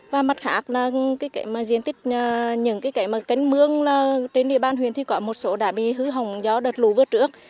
và mặt khác những cánh mương trên địa bàn huyện có một số đã bị hư hồng do đợt lù vừa trước